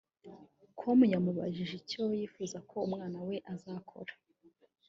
com yamubajije icyo yifuza ko umwana we azakora